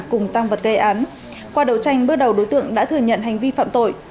cùng tăng vật gây án qua đầu tranh bước đầu đối tượng đã thừa nhận hành vi phạm tội